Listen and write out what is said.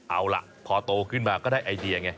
เอาล่ะพอโตขึ้นมาก็ได้ไอเดียไง